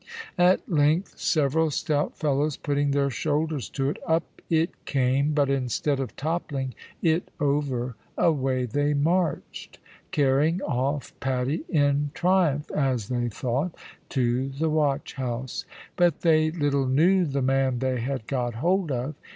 At length, several stout fellows putting their shoulders to it, up it came, but instead of toppling it over, away they marched, carrying off Paddy in triumph, as they thought, to the watch house; but they little knew the man they had got hold of.